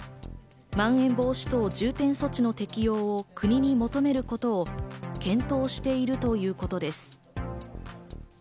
まん延防止等重点措置の適用を国へ求めることを検討しているということです。